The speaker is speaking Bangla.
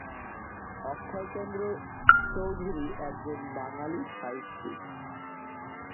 অক্ষয়চন্দ্র চৌধুরী একজন বাঙালি সাহিত্যিক।